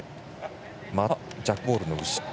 またジャックボールの後ろ。